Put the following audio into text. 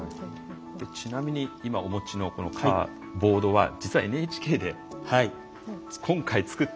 ちなみに今お持ちのこのボードは実はＮＨＫで今回作ったものなんですよね。